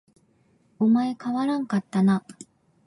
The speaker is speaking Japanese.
お前変わらんかったな